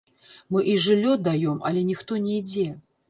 Мы і жыллё даём, але ніхто не ідзе.